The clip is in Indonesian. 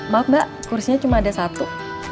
maaf mbak kursinya cuma ada satu